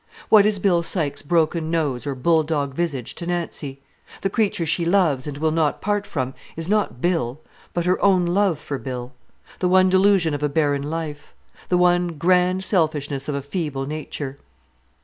What is Bill Sykes' broken nose or bull dog visage to Nancy? The creature she loves and will not part from is not Bill, but her own love for Bill, the one delusion of a barren life; the one grand selfishness of a feeble nature.